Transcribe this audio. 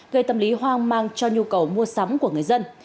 gây tâm lý hoang mang cho nhu cầu mua sắm của người dân